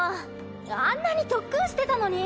あんなに特訓してたのに。